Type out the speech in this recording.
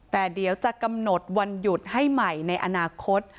แต่เดี๋ยวจะกำหนดวันหยุดให้ใหม่ในอนาคต